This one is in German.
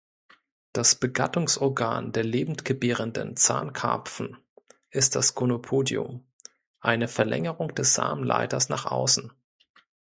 Das Begattungsorgan der Lebendgebärenden Zahnkarpfen ist das Gonopodium, eine Verlängerung des Samenleiters nach außen.